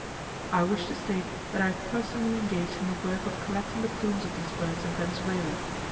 "I wish to state that I have personally engaged in the work of collecting the plumes of these birds in Venezuela.